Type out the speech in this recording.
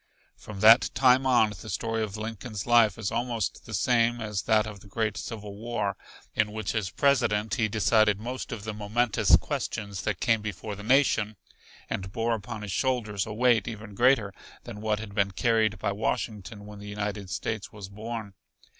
From that time on the story of Lincoln's life is almost the same as that of the great Civil War, in which as President he decided most of the momentous questions that came before the nation, and bore upon his shoulders a weight even greater than what had been carried by Washington when the United States was born.